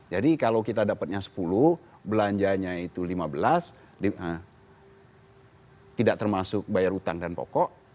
jadi kalau kita dapatnya sepuluh belanjanya itu lima belas tidak termasuk bayar hutang dan pokok